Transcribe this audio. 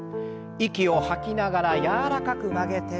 息を吐きながら柔らかく曲げて。